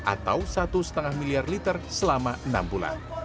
atau satu lima miliar liter selama enam bulan